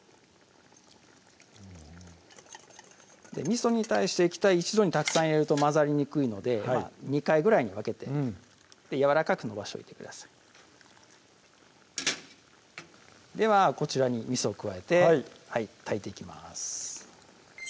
みそに対して液体一度にたくさん入れると混ざりにくいので２回ぐらいに分けてやわらかく延ばしといてくださいではこちらにみそを加えて炊いていきます